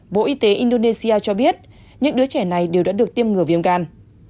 bộ y tế indonesia cho biết những đứa trẻ này đều đã được tiêm ngừa viêm gan